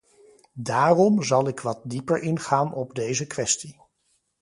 Daarom zal ik wat dieper ingaan op deze kwestie.